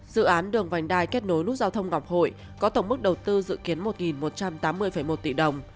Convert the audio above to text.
dự án đường vành đai kết nối nút giao thông ngọc hội có tổng mức đầu tư dự kiến một một trăm tám mươi một tỷ đồng